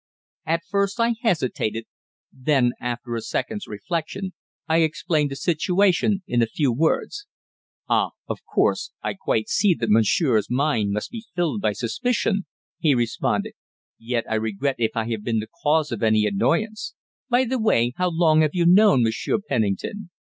At first I hesitated, then, after a second's reflection, I explained the situation in a few words. "Ah! Of course, I quite see that monsieur's mind must be filled by suspicion," he responded; "yet I regret if I have been the cause of any annoyance. By the way, how long have you known Monsieur Penning ton?"